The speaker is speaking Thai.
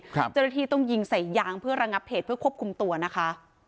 เจ้าหน้าที่ต้องยิงใส่ยางเพื่อระงับเหตุเพื่อควบคุมตัวนะคะ